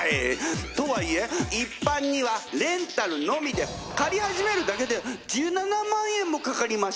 とはいえ一般にはレンタルのみで借り始めるだけで１７万円もかかりました。